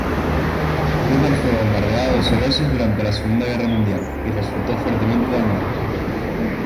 Wismar fue bombardeada doce veces durante la Segunda Guerra Mundial y resultó fuertemente dañada.